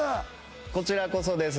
こちらこそです